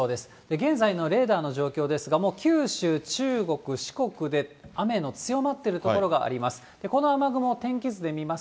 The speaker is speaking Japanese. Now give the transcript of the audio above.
現在のレーダーの状況ですが、もう九州、中国、四国で雨の強まっている所があります。